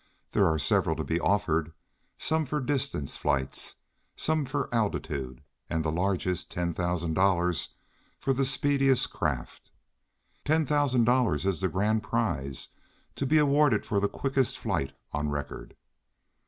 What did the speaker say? There are several to be offered, some for distance flights, some for altitude, and the largest, ten thousand dollars, for the speediest craft. Ten thousand dollars is the grand prize, to be awarded for the quickest flight on record."